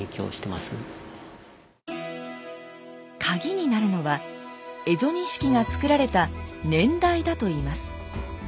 カギになるのは蝦夷錦が作られた年代だといいます。